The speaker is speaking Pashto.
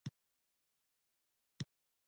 هغه یې په پیسو او وسلو مرسته کوله.